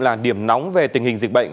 là điểm nóng về tình hình dịch bệnh